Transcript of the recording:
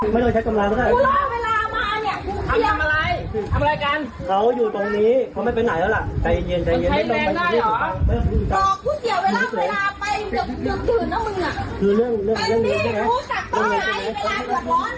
บอกผู้เกี่ยวเวลาเวลาไปเดี๋ยวตื่นนะมึง